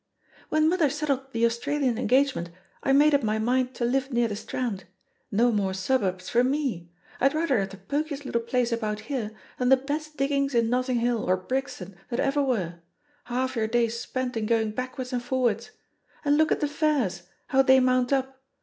"When mother settled the Australian engagement, I made up my mind to live near the Strand. No more suburbs for me; I'd rather have the pokiest little place about here than the best diggings in Notting Hill or Brixton that ever were — ^half your day's spent in going backwards and for wards. And look at the fares, how they mount up!